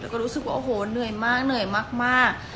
ลึกก็รู้สึกว่าโอ้โหเหนื่อยมาก